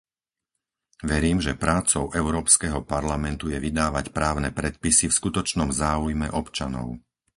Verím, že prácou Európskeho parlamentu je vydávať právne predpisy v skutočnom záujme občanov.